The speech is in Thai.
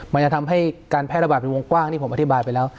มันจะทำให้การแพร่ระบาดเป็นวงกว้างที่ผมอธิบายไปแล้ว